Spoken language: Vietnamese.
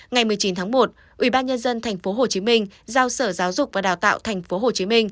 ngày một mươi chín tháng một ủy ban nhân dân tp hcm giao sở giáo dục và đào tạo tp hcm